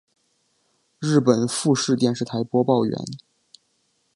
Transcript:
日本富士电视台播报员。